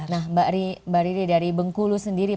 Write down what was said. nah mbak riri dari bengkulu sendiri